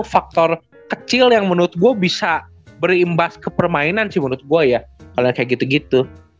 faktor kecil yang menurut gue bisa berimbas ke permainan sih menurut gue ya kalau kayak gitu gitu